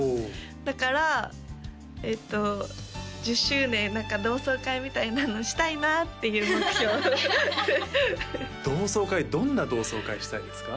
だからえっと１０周年何か同窓会みたいなのしたいなっていう目標同窓会どんな同窓会したいですか？